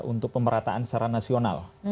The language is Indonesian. untuk pemerataan secara nasional